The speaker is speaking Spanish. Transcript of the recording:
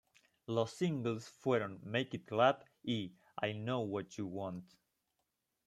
Los singles fueron "Make It Clap" y "I Know What You Want".